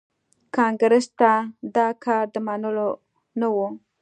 کانګریس ته دا کار د منلو نه و.